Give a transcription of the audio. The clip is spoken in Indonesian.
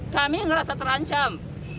kami merasa terancam